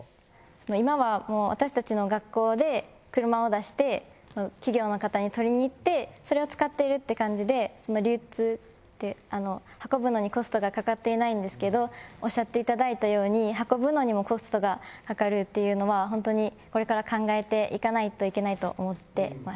今は私たちの学校で車を出して企業の方に取りに行ってそれを使っているっていう感じで運ぶのにコストがかかっていないんですけどおっしゃっていただいたように運ぶのにもコストがかかるっていうのはホントにこれから考えていかないといけないと思ってます。